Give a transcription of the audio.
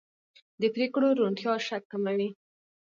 د پرېکړو روڼتیا شک کموي